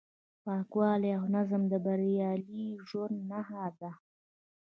پاکوالی او نظم د بریالي ژوند نښه ده.